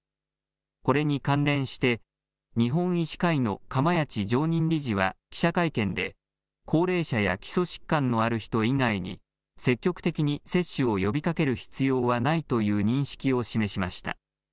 これに関連して、日本医師会の釜萢常任理事は記者会見で、高齢者や基礎疾患のある人以外に、積極的に接種を呼びかける必要はないという認識を示しました。